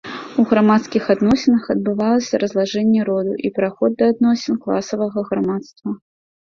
У грамадскіх адносінах адбывалася разлажэнне роду і пераход да адносін класавага грамадства.